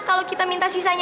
kalau kita minta sisanya